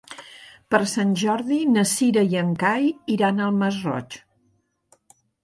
Per Sant Jordi na Cira i en Cai iran al Masroig.